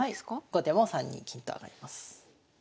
後手も３二金と上がります。